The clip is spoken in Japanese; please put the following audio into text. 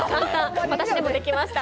私でもできました。